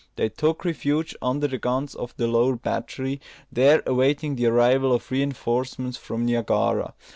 They took refuge under the guns of the lower battery, there awaiting the arrival of reinforcements from Niagara.